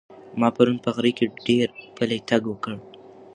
ما پرون په غره کې ډېر پلی تګ وکړ.